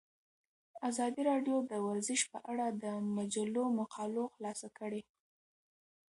ازادي راډیو د ورزش په اړه د مجلو مقالو خلاصه کړې.